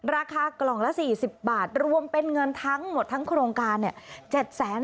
ราคากล่องละ๔๐บาทรวมเป็นเงินทั้งหมดทั้งโครงการเนี่ย